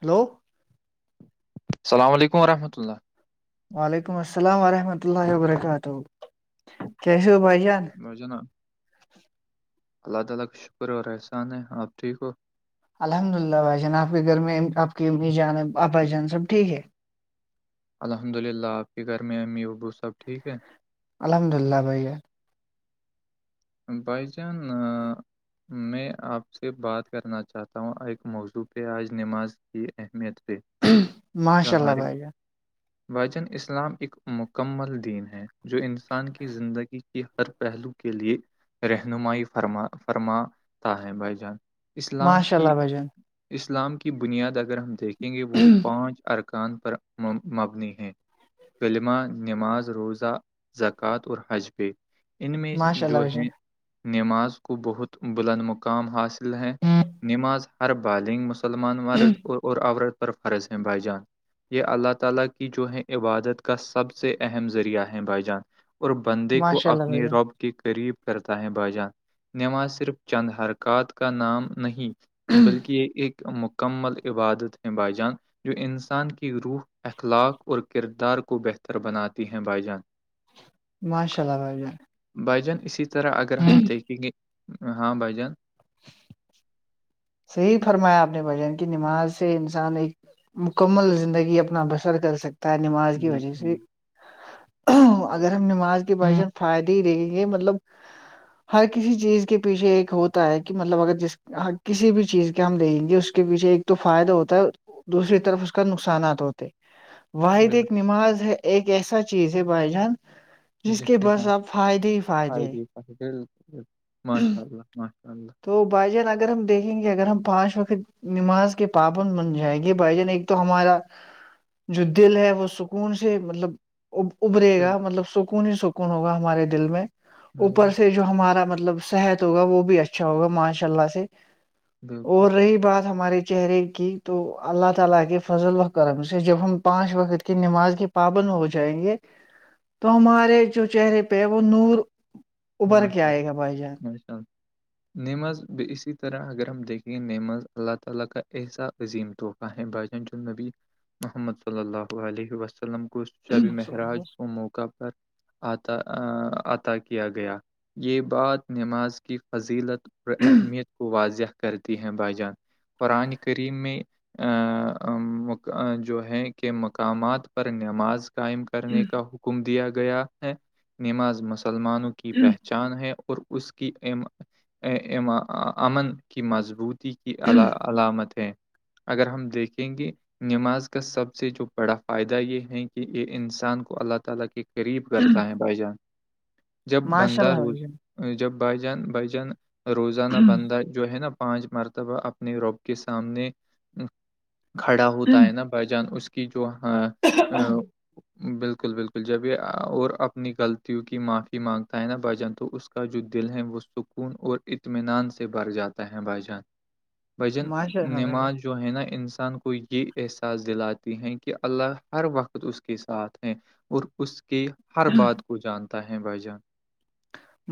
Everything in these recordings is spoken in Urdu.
ہلو السلام علیک رحمۃ اللہ وعلیکم السلام ورحمۃ اللہ وبرکاتہ کیسے ہو بھائی جان جانا [inaudible] الحمد للہ بھائی جان آپ کے گھر میں آپ کی امی جان آپ بائی جان سب ٹھیک ہے الحمد للہ آپ کے گھر میں امی ابو صاحب ٹھیک ہے الحمد للہ بھیا بائی چان میں آپ سے بات کرنا چاہتا ہوں ایک موضوع پہ آج نماز کی اہمیت پہ ماشاء اللہ باں [inaudible] بھاجن اسلام ایک مکمل دین ہے جو انسان کی زندگی کی ہر پہلو کے لیے رہنمائی فرما فرما بھائی جان اسلام ماشاء کی اللہ بھائی جان اسلام کی بنیاد اگر ہم دیکھیں گے وہ پانچ ارکان پر مبنی ہیں کلمہ نماز روزہ زکوۃ اور حجبے ان میں ماشاء اللہ جو بھائی ہے جان نماز کو بہت بلند مقام حاصل ہیں نماز ہر بالنگ مسلمان مرد اور عورت پر فرض ہیں بھائی جان یہ اللہ تعالی کی جو ہے عبادت کا سب سے اہم ذریعہ ہے بھائی جان اور بندے کو ماشاء اللہ بھائی اپنے جان رب کے قریب کرتا ہے بائی جان نماز صرف چند حرکات کا نام نہیں بلکہ یہ ایک مکمل عبادت باائی جان جو انسان کی روح اخلاق اور کردار کو بہتر بناتی ہیں بھائی جان [inaudible] [inaudible] ماشاء اللہ بھائی جان بھجان اسی طرح اگر ہم دیکھیں گے ہاں بھائیجان صحی فرمایا آپ نے بھجن کی نماز سے انسان ایک مکمل زندگی اپنا بسر کر سکتا ہے نماز کی بالکل وجہ سے بالکل اگر ہم نماز کے باشن فائدے ہی دیں گے مطلب ہر کسی چیز کے پیچھے ایک ہوتا ہے کہ مطلب اگر جس کسی بھی چیز کے ہم دیں گے اس کے پیچھے ایک تو فائدہ ہوتا ہے دوسری طرف اس کا نقصانات ہوتے واحد ایک بالکل نماز ہے ایک ایسا چیز ہے بھائی جان جس کے بعس آپ فائدے ہی فائدے ہیں بال ماشاء اللہ ماشاء اللہ تو بائی جان اگر ہم دیکھیں گے اگر ہم پانچ وقت نماز کے پابند بن جائے گی بھائی جان ایک تو ہمارا جو دل ہے وہ سکون سے مطلب ابرے بالکل گا مطلب سکون ہی سکون ہوگا ہمارے دل میں اوپر سے جو ہمارا مطلب صحت ہوگا وہ بھی اچھا ہوگا ماشاء اللہ سے بالکل اور رہی بات ہمارے چہرے کی تو اللہ تعالیکے فضل وکرم سے جب ہم پانچ وقت کی نماز کے پابن ہو جائیں گے تو ہمارے جو چہرے پہ وہ نور ابھر کے آئے گا بھائی جان اچھا نی ماز اسی طرح اگر ہم دیک گ نی اللہ یکا احسا عظیم طورف بن جو نبی محمد صلی اللہ علیہ وسلم کو شبی مہراج کو موقع پر عطا عطا کیا گیا گیا یہ بات نماز کی فضیلت اور اہمیت کو واضح کرتی ہیں بھائی جان قرآن کریم میں جو ہے کہ مقامات پر نماز قائم کرنے کا حکم دیا گیا ہے نماز مسلمانوں کی پہچ چاند ہے اور اس کی امن کی مضبوط کی علامت ہیں اگر ہم دیکھیں گے نماز کا سب سے جو بڑا فائدہ یہ ہے کہ انسان کو اللہ تعالی کی قریب کرتا ہے بھائی جان جب ماشاء بندہ اللہ روز بھائی جب بھائی جان بائی جان روزانہ جان بندہ جو ہے نا پانچ مرتبہ اپنے روپ کے سامنے کھڑا ہوتا ہے نا بائی جان اس کی جو بالکل بالکل جب یہ اور اپنی غلطیوں کی معافی مانگتا ہے نا بھائی جان تو اس کا جو دل ہے وہ سکون اور اطمینان سے بر جاتا ہے بھائی جان بجن ماشاء اللہ بھائی نمااز ب جو ہے نا انسان کو یہ احساس دلاتی ہیں کہ اللہ ہر وقت اس کے ساتھ ہیں اور اس کے ہر جان بات کو جانتا ہے بھائی جان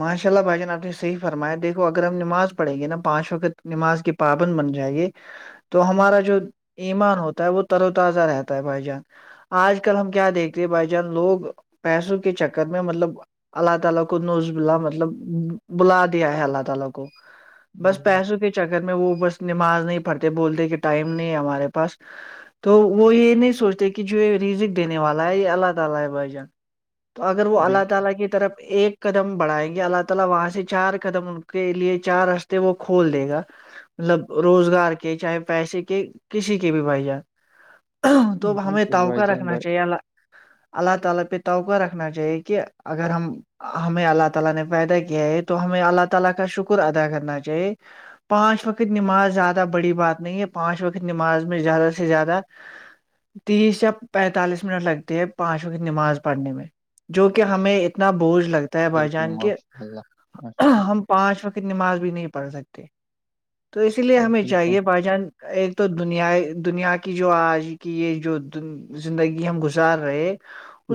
ماشاء اللہ بھائی جان آ نے صحی فرمایا دیکو اگر ہم نماز پڑھیں گے ن پانچو کے نماز کی پاابن بن جائیے تو ہمارا جو ایمان ہوتا ہے وہ تر و تازہ رہتا ہے بھائی جان آج کل ہم کیا دیکھتے ہیں بھائی جان لوگ پیسوں کے چکر میں مطلب اللہ تعالی کو بلا مطلب بلا دیا ہے اللہ تعالی کو بس بالکل پیسوں کے چکر میں وہ بس نماز نہیں پڑھتے بولتے کہ ٹائم نہیں ہے ہمارے پاس تو وہ یہ نہیں سوچتے کہ جو یہ ریزک دینے والا ہے یہ اللہ تعالی بھجان اگر وہ بال- اللہ تعالی کی طرف ایک دم بڑھائے گی اللہ تعالی وہاں سے چار قدم کے لیے چار رشتے وہ کھول دے گا مطلب روزگار کے چاہے پیسے کے کسی کے بھی بھائی جان تو ا ہمیں بالکل بھائی توقا جان رکھنا بھائی چاہیے اللہ تعالی پہ توبہ رکھنا چاہیے کہ اگر ہم ہمیں اللہ تعالی نے پیدا کیا ہے تو ہمیں اللہ تعالی کا شکر ادا کرنا چاہیے پانچ وقت نماز زیادہ بڑی بات نہیں ہے پانچ وقت نماز میں زیادہ سے زیادہ تیس یا پینتالیس منٹ لگتی ہے پانچ وق کی نماز پڑھنے میں جو کہ ہمیں اتنا بوجھ لگتا ہے بھائی بالکل جان کہ ماشاء اللہ ہم پانچ وقت نماز بھی نہیں پڑھ سکتے تو اسی لیے ہمیں بالکل چاہیے بائی جان ایک تو دنیا دنیا کی جو آج کی یہ جو زندگی ہم گزار رہے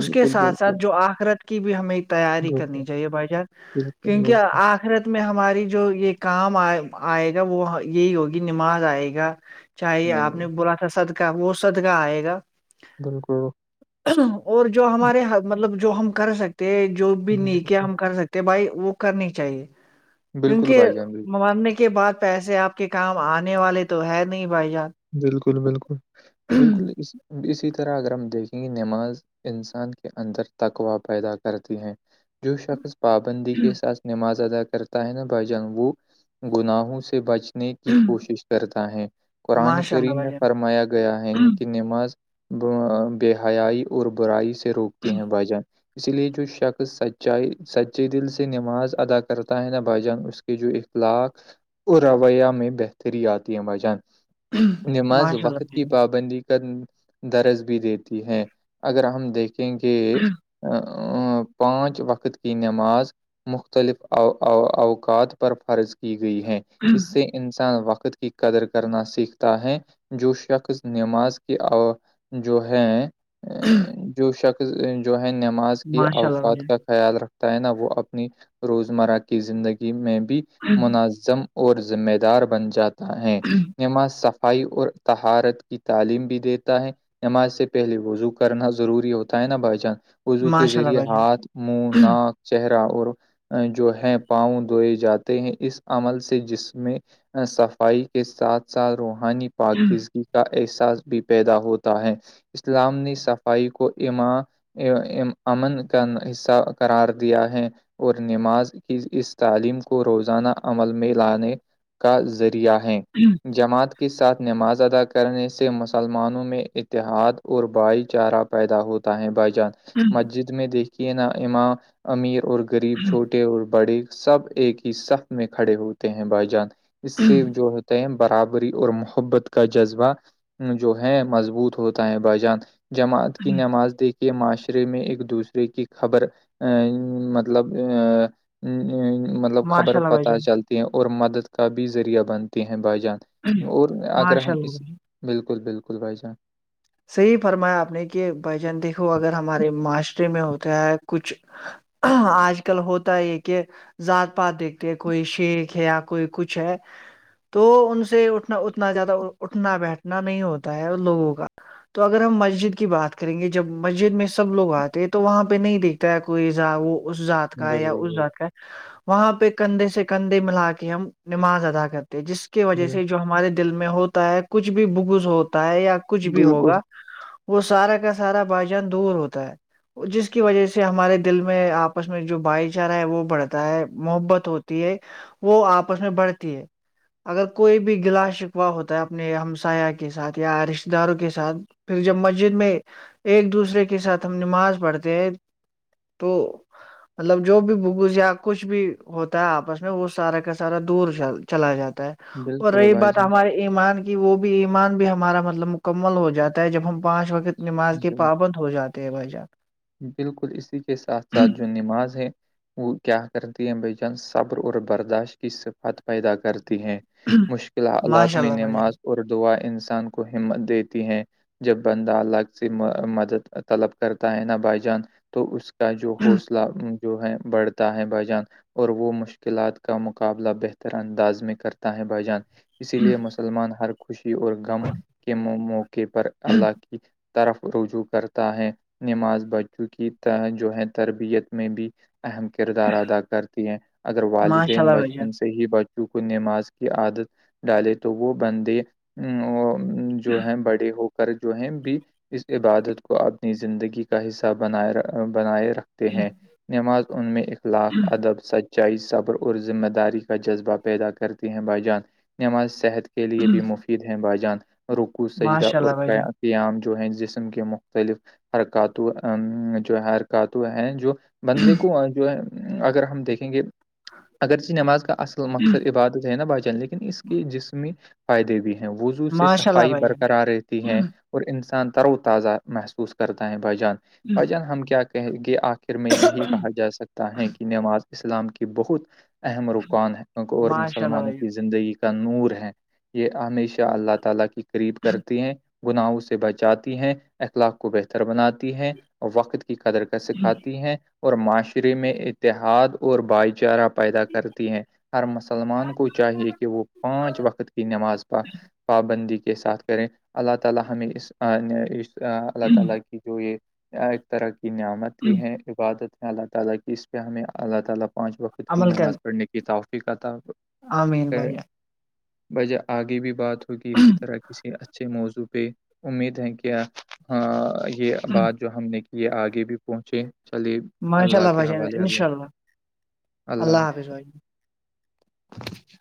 اس کے ساتھ ساتھ بالکل جو آخرت کی بھی ہمیں تیار بالکل کرنی چاہیے بھائی چار بالکل کیونکہ بالکل آخر تو میں ہماری جو یہ کام آئے گا وہ یہی ہوگی نماز آئے گا چاہیے آپ نے بولا تھا سد کا وہ سد کا آئے گا دول کرو [unintelligible] اور جو ہمارے مطلب جو ہم کر سکتے جو بھی نیکیا بالکل ہم کر سکتے کہ بھائی وہ کرنی چاہیے بالکل کیونکہ بھائی جان بالکل مارنے کے بعد پیسے آپ کے کام آنے والے تو ہے نہیں بھائی جان بالکل بالکل بالکل اس اسی طرح اگر ہم دیکھیں گے نماز انسان کے اندر تکوا پیدا کرتی ہیں جو شخص پابندی کے ساتھ نماز ادا کرتا ہے نا بھ جان وہ گناہوں سے بچ کی کوشش کرتا ہے قرآن ماشاء اللہ کریم بھائی میں فرمایا گیا گیا ہے ان جان کی نماز بے حیائی اور برائی سے روکتی ہے بھجن اسی لیے جو شخص سچائی سچے دل سے نماز ادا کرتا ہے ن بھائی جان اس جو اخلاق اور رویہ میں بہتری آتی ہے بجن نماز ماشاء اللہ وقت بھائی کی پابندی درج بھی دیتی ہے اگر ہم دیکھیں گے پانچ وقت کی نماز مختلف ا اوقات پر فرض کی گئی ہیں جان اس سے انسان وقت کی قدر کرنا سیکھ ت ہے جو شخص نماز کی جو ہے ا جو شخص جو ہے نماز کے ماشاء اللہ بھائی اوقات کا خیال رکھتا ہے نہ وہ اپنی روزمرہ کی زندگی میں بھی جان منظم اور ذمہ دار بن جاتا ہے نما سب صفائی اور تہارت کی تعلیم بھی دیتا ہے نماز سے پہلے وضو کرنا ضروری ہوتا ہے نا بھائی جان وضو کے ماشاء اللہ ذریعے بھائی ہاتھ منہ ناک چہرہ اور جو ہے پاؤں دھوئے جاتے ہیں اس عمل سے جس میں صفائی کے ساتھ ساتھ روحانی جان پاراکس کا احساس بھی پیدا ہوتا ہے اسلام نے صفائی کو ایماں ا امن کا حصہ قرار دیا ہے اور نماز کی اس تعلیم کو روزانہ عمل میں لانے کا ذریعہ ہے جماعت کے ساتھ نماز ادا کرنے سے مسلمانوں میں اتحاد اور بھائی چارہ پر پیدا ہوتا ہے بائی جان مسجد میں دیکھیے نا امام امیر اور غریب چھوٹے اور بڑے سب ایک ہی سف میں کھڑے ہوتے ہیں بھائی جان اس سے جو ہوتے ہیں برابری اور محبت کا جذبہ جو ہے مضبوط ہوتا ہے بائیجان جماعت کی نماز دیکھی کے معاشرے میں ایک دوسرے کی خبر ا مطلب ا مطلب خبر ماشاء اللہ بھائی پتہ جان چلتی ہے اور مدد کا بھی ذریعہ بنتی ہیں بائی جان اور اگر ماشاء ہم اللہ اس بھائی جان بالکل بالکل بھائی جان صحیح فرمایا آپ نے کہ بھائی جان دیکھو اگر ہمارے معاشرے میں ہوتا ہے کچھ آج کل ہوتا ہے کہ ذات پات دیکھتے ہیں کوئی شیخ ہے یا کوئی کچھ ہے تو ان سے اٹھنا اتنا زیادہ اٹھنا بیٹھنا نہیں ہوتا ہے لوگوں کا تو اگر ہم مسجد کی بات کریں گے جب مسجد میں سب لوگ آتے ہیں تو وہاں پہ نہیں دیکھتے کوئیا وہ اس ذات کا یا اس بالکل ذات کا وہاں پہ کندھے سے کندھے ملا کے ہم نماز ادا کرتے جس کی وجہ بالکل سے جو ہمارے دل میں ہوتا ہے کچھ بھی بگوز ہوتا ہے یا کچھ بھی ہوگا بالکل وہ سارا کا سارا بھائی جان دور ہوتا ہے جس کی وجہ سے ہمارے دل میں آپس میں جو بھائی چارہ ہے وہ بڑھتا ہے محبت ہوتی ہے وہ آپس میں بڑھتی ہے اگر کوئی بھی گلا شکوہ ہوتا ہے اپنے ہمسایہ کے ساتھ یا رشتے ش داروں کے ساتھ پھر جب مسجد میں ایک دوسرے کے ساتھ ہم نماز پڑھتے ہیں تو مطلب جو بھی بگوز یا کچھ بھی ہوتا ہے آپس میں وہ سارا کا سارا دور چلا جاتا ہے اور بالکل رہی بھائی بات ہمارے ایمان کی وہ بھی ایمان بھی ہمارا مطلب مکمل ہو جاتا ہے جب ہم پانچ وقت نماز کے جان پابند ہو جاتے ہیں بھائی جان بالکل اسی کے ساتھ ساتھ جو نماز ہے وہ کیا کرتی ہے بیجان صبر اور برداشت کی صفت پیدا کرتی ہیں مشکل حالات ماشاء میں اللہ بھائی جان نماز ار دعا انسان کو ہمت دیتی ہیں جب بندہ الگ سے مدد طلب کرتا ہے نا بھائی جان تو اس کا جو حوصلہ جو ہے بڑھتا ہے بائیجان اور وہ مشکلات کا مقابلہ بہتر انداز میں کرتا ہے بھائی جان اسی لیے مسلمان ہر خوشی اور غم کے موقع پر اللہ کی طرف رجوع کرتا ہے نماز بچوں کی جو ہے تربیت میں بھی اہم کردار ادا کرتی ہیں اگر ماشاء والدین اللہ بھائی جان بچپن سے ہی بچوں کو نماز کی عادت ڈالے تو وہ بندے ا جو ہے بڑے ہو کر جو ہے بھی اس عبادت کو اپنی زندگی کا حصہ بناائے بنائے رکھتے ہیں نماز ان میں اخلاق ادب سچ ائی صبر اور ذمہ داری کا جذبہ پیدا کرتے ہیں بائی جان نماز صحت کے لیے بھی مفید ہیں بائیجان روکو سجدہ ماشاء اور اللہ بھائی جان قیام ہیں اس جسم کے مختلف حرکاتو جو ہے حرکاتو ہیں جو بندے کو جو ہے اگر ہم دیکھیں گے اگرچہ نماز کا اصل مقصد عبادت ہے نا بھائی جان لیکن اس کے جسم فائدے بھی ہیں وزو سے ماشاء اللہ صفائی بھائی جان برقرار رہتی ہے اور اندر انسان تر و تازہ محسوس کرتا ہے بھجان بھجان ہم کیا کہیں گے آ آخر میں یہی کہا جا سکتا ہے کہ نماز اسلام کی بہت اہم رکان اور ماشاء اللہ مسلمانوں بھائی کی زندگی نور ہے یہ ہمیشہ اللہ تعالی کی قریب کرتی ہیں گناہ سے سے بچاتی ہیں اخلاق کو بہتر بناتی ہیں وقت کی قدر کر سکھاتی ہیں اور معاشرے میں اتحاد اور بھائی چارہ پیدا کرتی ہیں ہر مسلمان کو چاہیے کہ وہ پانچ وقت کی نماز پڑ پابندی کے ساتھ کریں اللہ تعالیہمیں اس اللہ تعالی کی جو یہ ایک طرح کی نعمت جان ہے عبادت ہیں اللہ تعالی کی اس پہ ہمیں اللہ تعالی پانچ وقت کی نماز پڑھنے کی توفیق تھا آ مین بھائی بج آگے بھی بات ہوگی اسی جان، طرح کسی اچھے موضوع پہ امید ہے کیا ہاں یہ بات جو ہم نے کی ہے آگے بھی پہنچے چلیے ماشاء اللہ کے بھائی جان حوالے ان اللہ شاء اللہ حاظ حافظ بھائی جان.